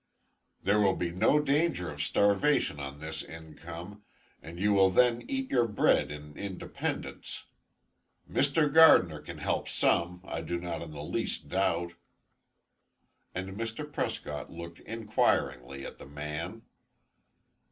There will be no danger of starvation on this income, and you will then eat your bread in independence. Mr. Gardiner can help some, I do not in the least doubt." And Mr. Prescott looked inquiringly at the man.